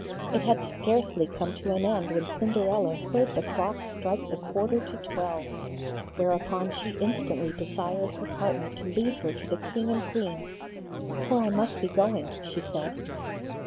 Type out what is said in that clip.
It had scarcely come to an end when Cinderella heard the clock strike the quarter to twelve; whereupon she instantly desired her partner to lead her to the King and Queen. 'For I must be going,' she said.